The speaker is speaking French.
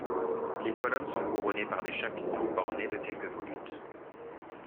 Les colonnes sont couronnées par des chapiteaux ornés de quelques volutes.